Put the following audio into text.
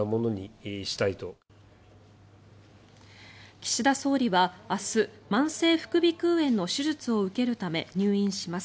岸田総理は明日、慢性的副鼻腔炎の手術を受けるため入院します。